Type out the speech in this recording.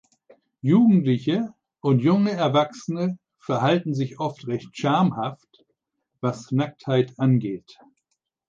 Jugendliche und junge Erwachsene verhalten sich oft recht schamhaft, was Nacktheit angeht.